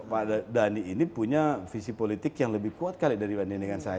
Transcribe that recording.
pak dhani ini punya visi politik yang lebih kuat kali dibanding dengan saya